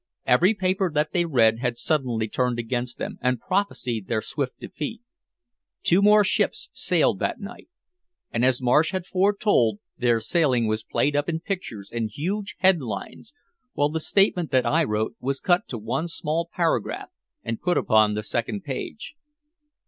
Every paper that they read had suddenly turned against them and prophesied their swift defeat. Two more ships sailed that night. And as Marsh had foretold, their sailing was played up in pictures and huge headlines, while the statement that I wrote was cut to one small paragraph and put upon the second page.